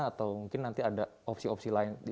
atau mungkin nanti ada opsi opsi lain